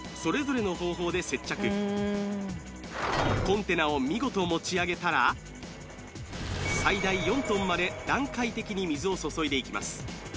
コンテナを見事持ち上げたら最大４ｔまで段階的に水を注いでいきます